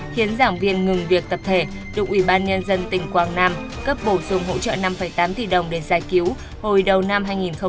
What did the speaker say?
khiến giảng viên ngừng việc tập thể đụng ủy ban nhân dân tỉnh quảng nam cấp bổ dùng hỗ trợ năm tám tỷ đồng để giải cứu hồi đầu năm hai nghìn hai mươi bốn